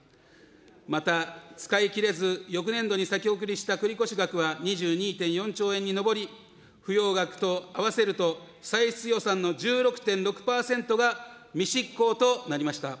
また、使い切れず、翌年度に先送りした繰越額は２２．４兆円に上り、不用額と合わせると歳出予算の１６．６％が未執行となりました。